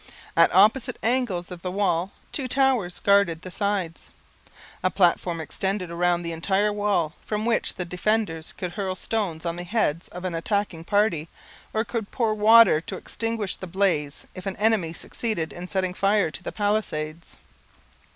At opposite angles of the wall two towers guarded the sides. A platform extended round the entire wall, from which the defenders could hurl stones on the heads of an attacking party, or could pour water to extinguish the blaze if an enemy succeeded in setting fire to the palisades.